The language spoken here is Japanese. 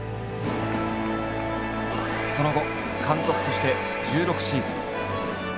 その後監督として１６シーズン。